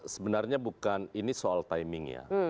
sebenarnya bukan ini soal timing ya